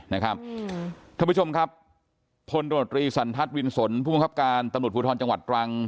ท่านผู้ชมครับพลสรรทัศิวินสลผู้ค้าพีชคาร๑นพุทธรจังหวัดกรัง